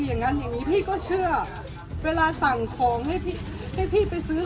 อย่างงั้นอย่างงี้พี่ก็เชื่อเวลาสั่งของให้ให้พี่ไปซื้อ